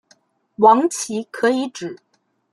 王祺可以指